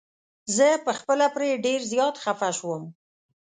زه په خپله پرې ډير زيات خفه شوم.